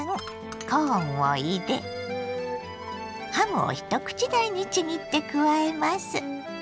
コーンを入れハムを一口大にちぎって加えます。